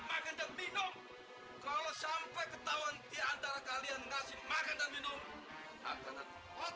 makanan minum kalau sampai ketahuan diantara kalian ngasih makan dan minum